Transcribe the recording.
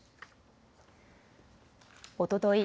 おととい